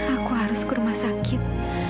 aku harus ke rumah sakit